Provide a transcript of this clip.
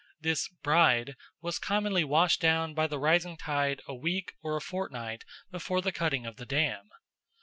This "bride" was commonly washed down by the rising tide a week or a fortnight before the cutting of the dam.